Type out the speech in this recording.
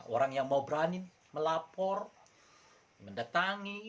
orang yang mau berani melapor mendatangi